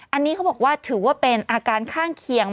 อันนี้เขาบอกว่าถือว่าเป็นอาการข้างเคียง